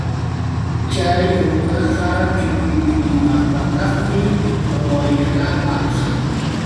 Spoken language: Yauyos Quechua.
Chay rudaqa chukidiklimapaqtaqmi, wayrapaq.